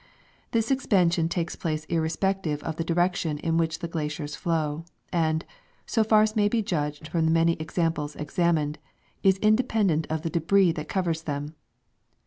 This expansion takes place irrespective of the direction in which the glaciers flow, and, so far as may be judged from the many examples examined, is independent of the debris that covers them.